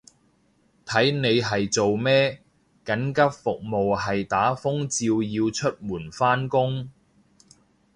睇你係做咩，緊急服務係打風照要出門返工